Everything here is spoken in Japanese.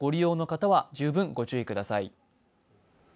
ご利用の方は、十分ご注意ください